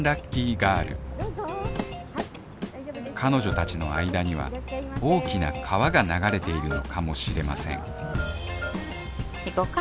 ガール彼女たちの間には大きな川が流れているのかもしれません行こっか。